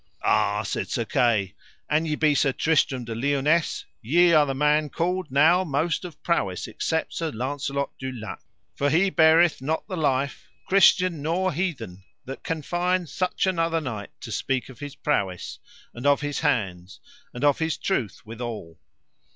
Ah, said Sir Kay, an ye be Sir Tristram de Liones, ye are the man called now most of prowess except Sir Launcelot du Lake; for he beareth not the life, Christian nor heathen, that can find such another knight, to speak of his prowess, and of his hands, and his truth withal.